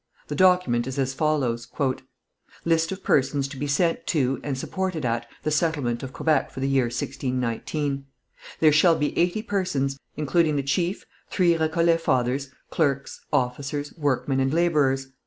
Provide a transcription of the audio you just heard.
The document is as follows: "List of persons to be sent to, and supported at, the settlement of Quebec for the year 1619. "There shall be eighty persons, including the chief, three Récollet fathers, clerks, officers, workmen and labourers.